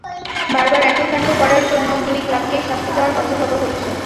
বারবার একই কাণ্ড করার জন্য দুই ক্লাবকেই শাস্তি দেওয়ার কথা ভাবা হচ্ছে।